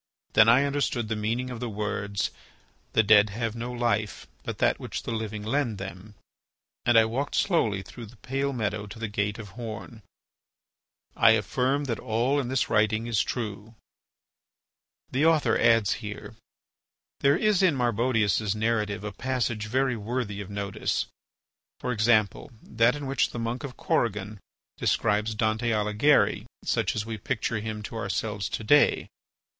Then I understood the meaning of the words, "The dead have no life, but that which the living lend them," and I walked slowly through the pale meadow to the gate of horn. I affirm that all in this writing is true. There is in Marbodius's narrative a passage very worthy of notice, viz., that in which the monk of Corrigan describes Dante Alighieri such as we picture him to ourselves to day.